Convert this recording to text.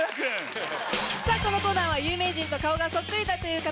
さぁこのコーナーは。